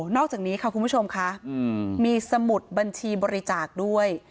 อกจากนี้ค่ะคุณผู้ชมค่ะมีสมุดบัญชีบริจาคด้วย